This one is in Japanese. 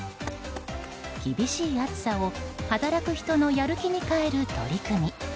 厳しい暑さを働く人のやる気に変える取り組み。